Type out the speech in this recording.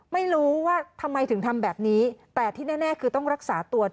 ไม่รู้ว่าทำไมถึงทำแบบนี้แต่ที่แน่คือต้องรักษาตัว